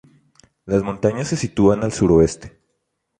Las montañas se sitúan al suroeste.